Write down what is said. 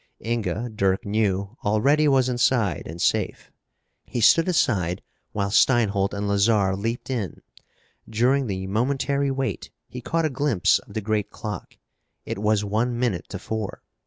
Inga, Dirk knew, already was inside and safe. He stood aside while Steinholt and Lazarre leaped in. During the momentary wait he caught a glimpse of the great clock. It was one minute to four.